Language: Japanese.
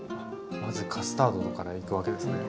まずカスタードからいくわけですね。